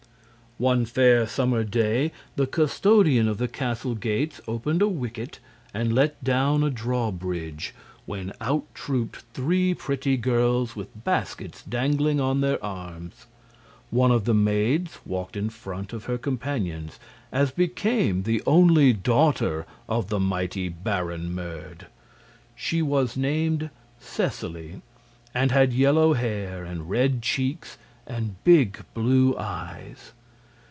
One fair summer day the custodian of the castle gates opened a wicket and let down a draw bridge, when out trooped three pretty girls with baskets dangling on their arms. One of the maids walked in front of her companions, as became the only daughter of the mighty Baron Merd. She was named Seseley, and had yellow hair and red cheeks and big, blue eyes.